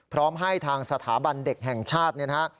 พร้อมให้ทางสถาบันเด็กแห่งชาติเนี่ยนะฮะ